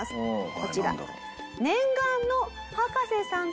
こちら。